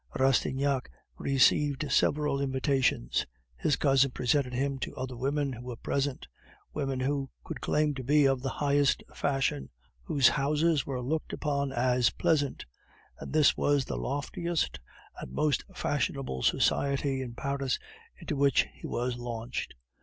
Rastignac received several invitations. His cousin presented him to other women who were present; women who could claim to be of the highest fashion; whose houses were looked upon as pleasant; and this was the loftiest and most fashionable society in Paris into which he was launched.